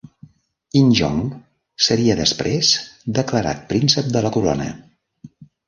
Injong seria després declarat príncep de la corona.